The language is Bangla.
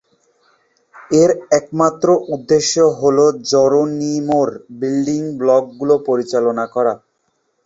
এর একমাত্র উদ্দেশ্য হল জেরোনিমোর বিল্ডিং ব্লকগুলো পরিচালনা করা।